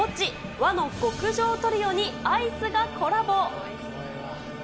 和の極上トリオに、アイスがコラボ。